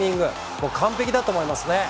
もう完璧だと思いますね。